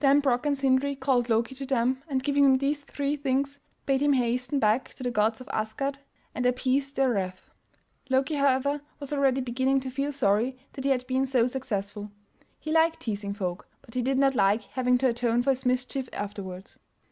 Then Brok and Sindri called Loki to them and giving him these three things bade him hasten back to the gods at Asgard and appease their wrath. Loki, however, was already beginning to feel sorry that he had been so successful; he liked teasing folk but he did not like having to atone for his mischief afterwards.